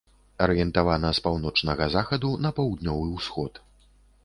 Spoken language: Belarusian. Арыентавана з паўночнага захаду на паўднёвы ўсход.